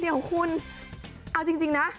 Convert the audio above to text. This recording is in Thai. เดี๋ยวคุณเอาจริงนะ